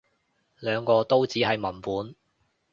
兩個都只係文本